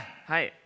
はい。